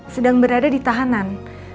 sedang berada di tahanan